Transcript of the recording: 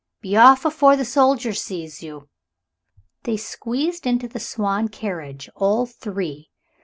Be off afore the soldiers sees you." They squeezed into the swan carriage, all three.